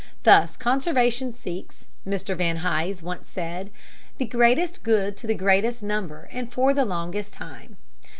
Thus conservation seeks, Mr. Van Hise once said, "the greatest good to the greatest number, and for the longest time."